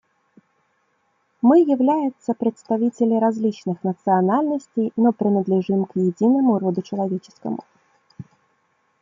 Мы является представители различных национальностей, но принадлежим к единому роду человеческому.